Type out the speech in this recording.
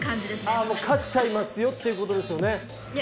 ああもう勝っちゃいますよっていう事ですよね。